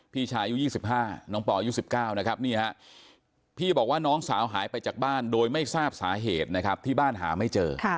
พี่ชายยู๒๕น้องปอร์ยู๑๙พี่บอกว่าน้องสาวหายไปจากบ้านโดยไม่ทราบสาเหตุที่บ้านหาไม่เจอ